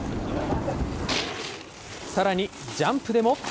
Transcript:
さらにジャンプでも。